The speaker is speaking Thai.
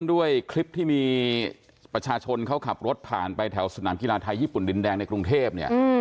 ด้วยคลิปที่มีประชาชนเขาขับรถผ่านไปแถวสนามกีฬาไทยญี่ปุ่นดินแดงในกรุงเทพเนี่ย